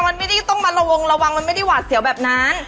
มันไม่ได้ต้องมาระวงระวังมันไม่ได้หวาดเสียวแบบนั้น